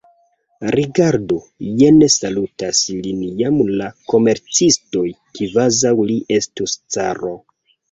Rigardu, jen salutas lin jam la komercistoj, kvazaŭ li estus caro.